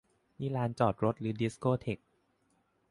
นี่ลานจอดรถหรือดิสโก้เธค